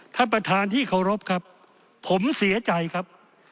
ท่านประธานที่เคารพครับผมเสียใจครับ